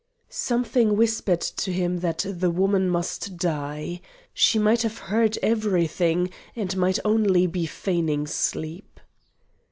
Something whispered to him that the woman must die. She might have heard everything and might only be feigning sleep.